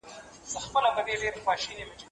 هېوادونه د سياسي ثبات له لاري اقتصادي وده کوي.